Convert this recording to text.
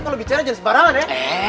eh kok lo bicara jadi sembarangan ya